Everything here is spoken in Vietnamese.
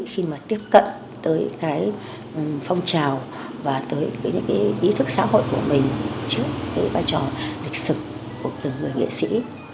khi mà tiếp cận tới cái phong trào và tới những cái ý thức xã hội của mình trước cái vai trò lịch sử của từng người nghệ sĩ